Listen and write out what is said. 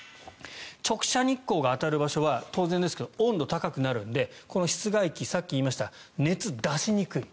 直射日光が当たる場所は当然ですが温度が高くなるので室外機、さっき言いました熱出しにくい。